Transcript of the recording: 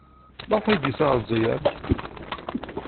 Maɣef ay d-yusa ɣer Lezzayer?